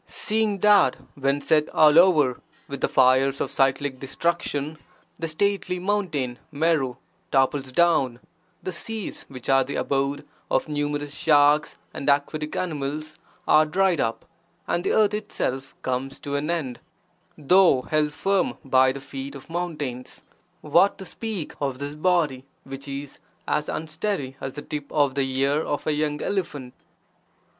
Seeing that, when set all over with the fires of cyclic destruction the stately mountain Meru topples down, the seas which are the abode of numerous sharks and aquatic animals are dried up, and the earth (itself) comes to an end, though held firm by the feet of mountains, what to speak of this body, which is as unsteady as the tip of the ear of a young elephant!